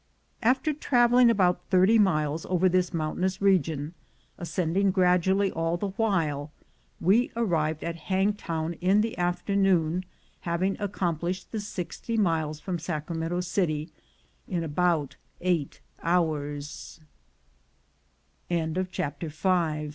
After traveling about thirty miles over this moun OFF FOR THE MINES 115 talnous region, ascending gradually all the while, we arrived at Hangtown in the afternoon, having ac complished the sixty miles from Sacramento city in about eight h